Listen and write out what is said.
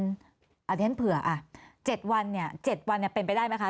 เดี๋ยวฉันเผื่อ๗วันเนี่ย๗วันเป็นไปได้ไหมคะ